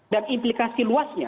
dan implikasi luasnya